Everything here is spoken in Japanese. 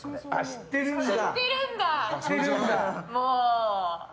知ってるんだ。